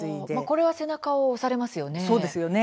これは背中を押されますよね。